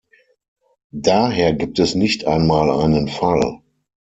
Daher gibt es nicht einmal einen Fall.